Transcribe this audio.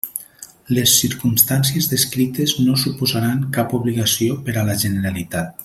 Les circumstàncies descrites no suposaran cap obligació per a la Generalitat.